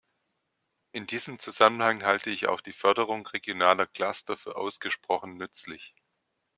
In diesem Zusammenhang halte ich auch die Förderung regionaler Cluster für ausgesprochen nützlich.